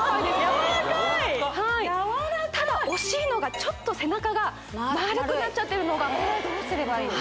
柔らかいはいただ惜しいのがちょっと背中が丸くなっちゃってるのが・これはどうすればいいの？